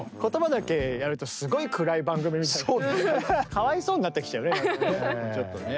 かわいそうになってきちゃうねなんかねちょっとね。